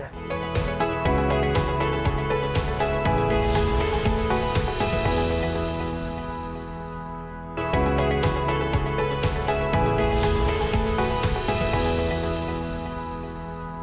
ya betul betul